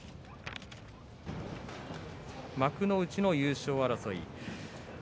幕内の優勝争い